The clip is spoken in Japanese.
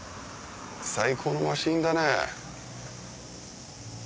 最高のマシンだね。